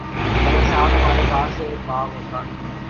اگر صرف ہمارے پاس ایک باغ ہوتا